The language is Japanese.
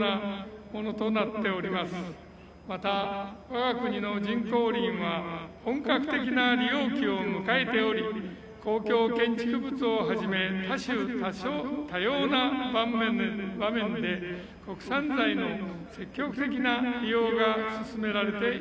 また我が国の人工林は本格的な利用期を迎えており公共建築物をはじめ多種多様な場面で国産材の積極的な利用が進められています。